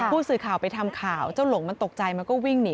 ผู้สื่อข่าวไปทำข่าวเจ้าหลงมันตกใจมันก็วิ่งหนี